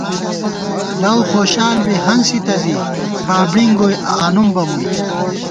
لؤخوشال بی ہنسِتہ زِی، بابڑِنگ گوئی آنُم بہ مُوئی